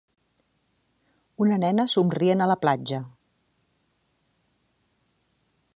Una nena somrient a la platja.